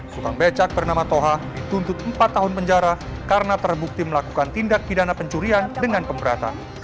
tukang becak bernama toha dituntut empat tahun penjara karena terbukti melakukan tindak pidana pencurian dengan pemberatan